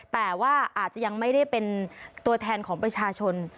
แต่ว่าอาจจะยังไม่ได้เป็นตัวแทนของประชาชน